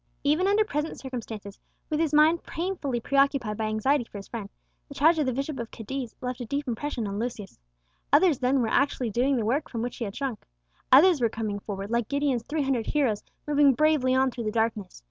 Even under present circumstances, with his mind painfully preoccupied by anxiety for his friend, the charge of the Bishop of Cadiz left a deep impression on Lucius. Others then were actually doing the work from which he had shrunk. Others were coming forward, like Gideon's three hundred heroes moving bravely on through the darkness.